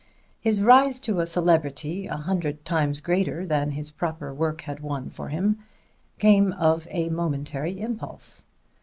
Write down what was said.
His rise to a celebrity a hundred times greater than his proper work had won for him came of a momentary impulse.